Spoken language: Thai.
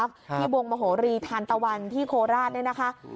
ที่วงมโหรีธานตะวันที่โคราชเนี่ยนะคะ